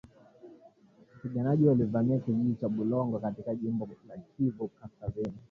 wapiganaji walivamia kijiji cha Bulongo katika jimbo la Kivu kaskazini